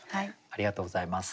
ありがとうございます。